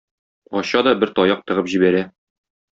Ача да бер таяк тыгып җибәрә.